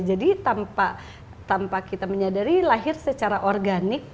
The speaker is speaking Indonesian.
jadi tanpa kita menyadari lahir secara organik